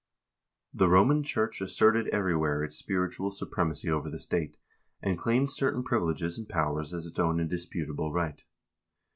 The Roman Church asserted everywhere its spiritual supremacy over the state, and claimed certain privileges and powers as its own indisputable right.